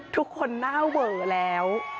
ทุกคนหน้าเวอแล้ว